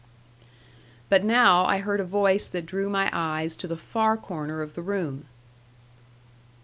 But now I heard a voice that drew my eyes to the far corner of the room.